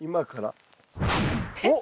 えっ。